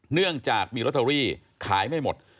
เนื่องจากมีลอตเตอรี่ขายไม่หมด